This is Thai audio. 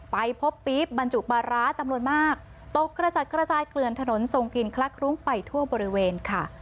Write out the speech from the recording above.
ไปพบปี๊บบรรจุปลาร้าจำนวนมากตกกระจัดกระจายเกลือนถนนทรงกินคลักคลุ้งไปทั่วบริเวณค่ะ